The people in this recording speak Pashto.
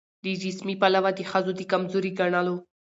له جسمي پلوه د ښځو د کمزوري ګڼلو